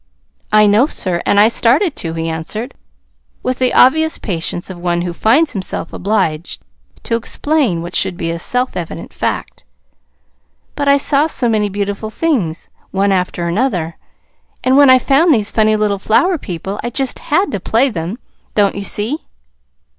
"I know, sir, and I started to," he answered, with the obvious patience of one who finds himself obliged to explain what should be a self evident fact; "but I saw so many beautiful things, one after another, and when I found these funny little flower people I just had to play them. Don't you see?"